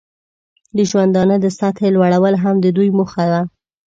د ژوندانه د سطحې لوړول هم د دوی موخه ده.